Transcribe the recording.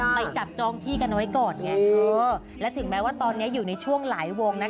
ไปจับจองที่กันไว้ก่อนไงเออและถึงแม้ว่าตอนนี้อยู่ในช่วงหลายวงนะคะ